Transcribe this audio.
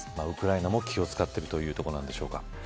ウクライナも気を使ってるということでしょうか。